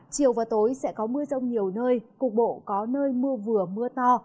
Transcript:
chiều và tối sẽ có mưa rông nhiều nơi cục bộ có nơi mưa vừa mưa to